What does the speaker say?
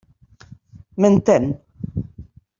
M'entén?